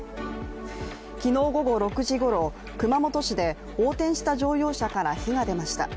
昨日午後６時ごろ、熊本市で横転した乗用車から火が出ました。